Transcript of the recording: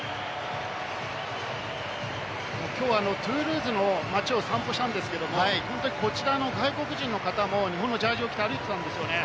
きょうはトゥールーズの街を散歩したんですけれども、こちらの外国人の方も日本のジャージーを着て歩いていたんですよね。